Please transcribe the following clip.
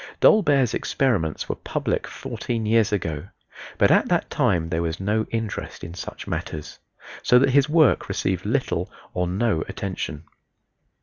Dolbear's experiments were public fourteen years ago, but at that time there was no interest in such matters, so that his work received little or no attention.